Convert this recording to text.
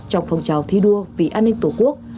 trong phong trào thi đua vì an ninh tổ quốc